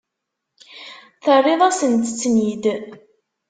Terriḍ-asent-ten-id.